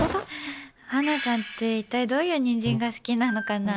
ハナさんって一体どういうニンジンが好きなのかな。